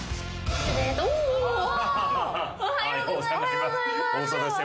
おはようございます。